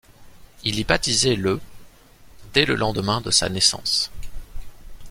Il est baptisé le dès le lendemain de sa naissance.